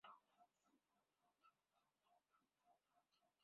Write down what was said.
সকালবেলা কি মিথ্যে বলতে এলাম দুটো পয়সার জন্য?